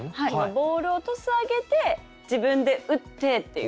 ボールをトス上げて自分で打ってっていう。